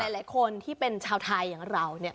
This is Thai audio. หลายคนที่เป็นชาวไทยอย่างเราเนี่ย